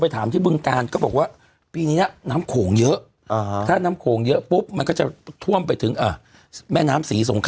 แถบนู้นโดนหมดเนอะ